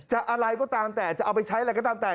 อะไรก็ตามแต่จะเอาไปใช้อะไรก็ตามแต่